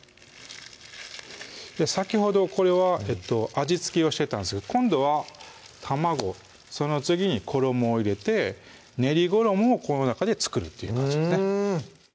先ほどこれは味付けをしてたんですけど今度は卵その次に衣を入れて練り衣をこの中で作るという感じですね